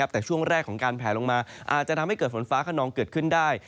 แต่ช่วงแรกของการแผลลงมาอาจจะทำให้เกิดฝนฟ้าขนองเกิดขึ้นได้